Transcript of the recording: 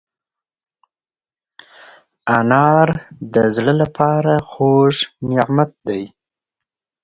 انار د زړه له پاره خوږ نعمت دی.